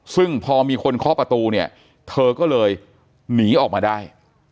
ซึ่งพอมีคนเคาะประตูเนี่ยเธอก็เลยหนีออกมาได้